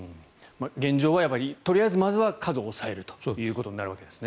現状はとりあえずまずは数を抑えるということになるわけですね。